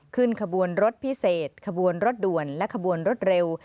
ขบวนรถพิเศษขบวนรถด่วนและขบวนรถเร็ว